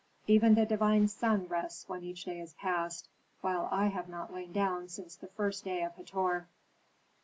Even the divine sun rests when each day is past, while I have not lain down since the first day of Hator."